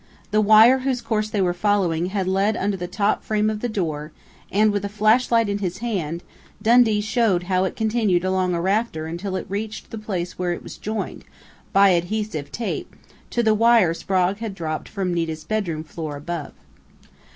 The wire whose course they were following led under the top frame of the door, and, with a flashlight in his hand, Dundee showed how it continued along a rafter until it reached the place where it was joined, by adhesive tape, to the wire Sprague had dropped from Nita's bedroom floor above.